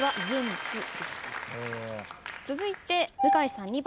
続いて向井さん。